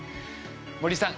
森さん